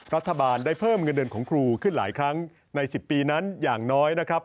รัฐบาลได้เพิ่มเงินเดือนของครูขึ้นหลายครั้งใน๑๐ปีนั้นอย่างน้อยนะครับ